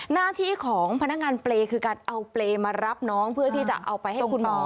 หน้าที่ของพนักงานเปรย์คือการเอาเปรย์มารับน้องเพื่อที่จะเอาไปให้คุณหมอ